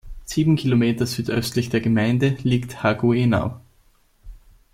Sieben Kilometer südöstlich der Gemeinde liegt Haguenau.